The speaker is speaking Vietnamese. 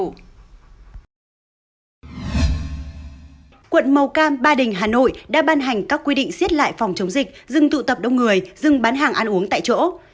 quận cam ba đình hà nội đã ban hành các quy định xiết lại phòng chống dịch dừng tụ tập đông người dừng bán hàng ăn uống tại chỗ